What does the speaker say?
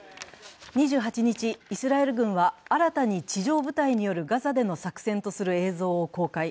２８日、イスラエル軍は新たに地上部隊によるガザでの作戦とする映像を公開。